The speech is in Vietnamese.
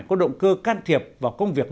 có động cơ can thiệp vào công việc